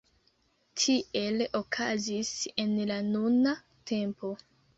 Tiel okazis en la nuna tempo.